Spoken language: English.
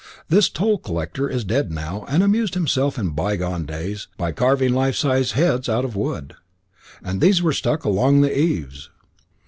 This toll collector he is dead now had amused himself in bygone days by carving life size heads out of wood, and these were stuck along the eaves.